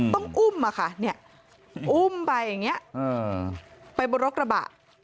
ต้องอุ้มอะค่ะอุ้มไปอย่างนี้ไปบนรถกระบะ